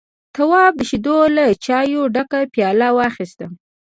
تواب د شيدو له چايو ډکه پياله واخيسته.